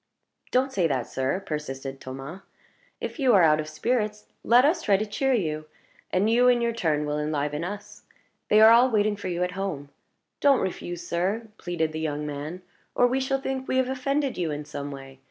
"Don't say that, sir," persisted Thomas. "If you are out of spirits, let us try to cheer you. And you, in your turn, will enliven us. They are all waiting for you at home. Don't refuse, sir," pleaded the young man, "or we shall think we have offended you in some way.